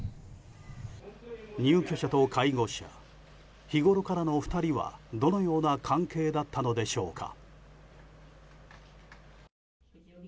入居者と介護士日ごろからの２人はどのような関係だったのでしょうか。